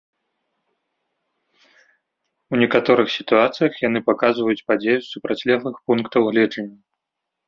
У некаторых сітуацыях яны паказваюць падзею з супрацьлеглых пунктаў гледжання.